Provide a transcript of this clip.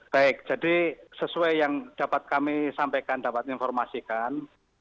baik jadi sesuai yang dapat kami sampaikan dapat informasikan